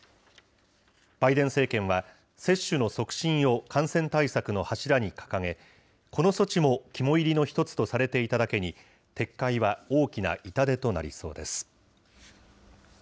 バイデン政権は、接種の促進を感染対策の柱に掲げ、この措置も肝煎りの一つとされていただけに撤回は大きな痛手となりそうです。